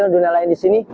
dunia lain ya